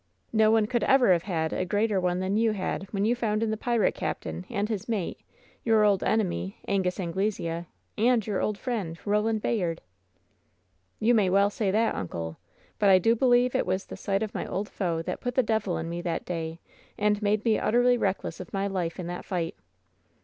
No one could ever have had a greater one than you had when you found in the pirate captain and his mate your old enemy, Angus Anglesea, and your old friend, Koland Bayard!'^ You may well say that, uncle! But I do believe it was the sight of my old foe that put the devil in me that day and made me utterly reckless of my life in that fight."